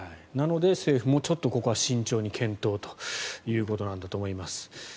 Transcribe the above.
なので政府もちょっとここは慎重に検討ということなんだと思います。